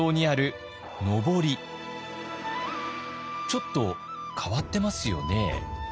ちょっと変わってますよね。